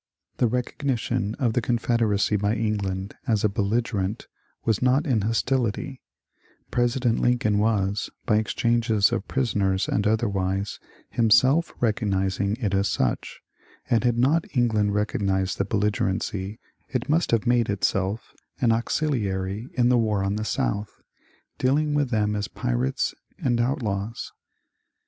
The recognition of the Con federacy by England as a ^' belligerent " was not in hostility ; President Lincoln was, by exchanges of prisoners and other wise, himself recognizing it as such ; and had not Enghind recognized the " belligerency," it must have made itself an k CHARLES SUMNER SUMNER'S ATTACK ON ENGLAND 93 auxiliary in the war on the South, dealing with them as pirates and outlaws.